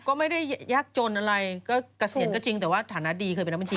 ก็ไม่ได้ยากจนอะไรก็เกษียณก็จริงแต่ว่าฐานะดีเคยเป็นนักบัญชี